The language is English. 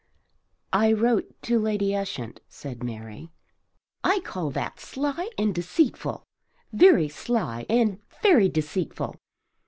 "I wrote to Lady Ushant," said Mary. "I call that sly and deceitful; very sly and very deceitful.